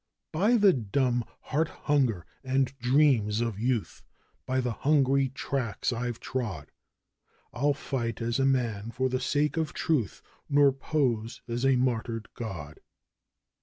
'By the dumb heart hunger and dreams of youth, by the hungry tracks I've trod 'I'll fight as a man for the sake of truth, nor pose as a martyred god.